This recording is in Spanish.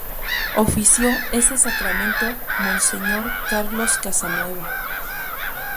Ofició ese sacramento monseñor Carlos Casanueva.